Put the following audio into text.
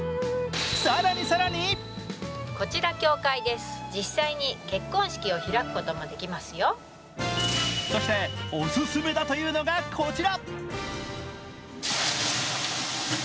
更に更にそして、お勧めだというのがこちら。